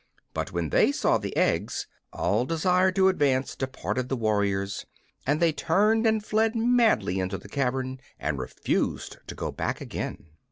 But, when they saw the eggs, all desire to advance departed from the warriors, and they turned and fled madly into the cavern, and refused to go back again.